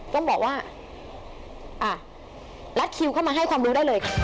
ต้องบอกว่ารัดคิวเข้ามาให้ความรู้ได้เลย